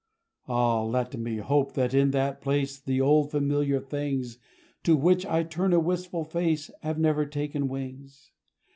Ah! let me hope that in that place The old familiar things To which I turn a wistful face Have never taken wings.